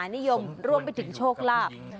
นิยมรวมไปถึงโชคลาภ